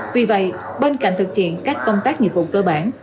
vì vậy bên cạnh thực hiện các công tác nhiệm vụ cơ bản